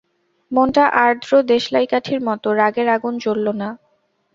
মনটা আর্দ্র দেশলাইকাঠির মতো, রাগের আগুন জ্বলল না।